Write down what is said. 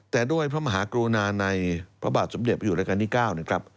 แต่ด้วยพระมหากรุณาในพระบาทสมเด็จพระอยู่รายการที่๙นะครับ